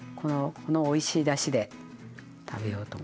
このおいしいだしで食べようと思います。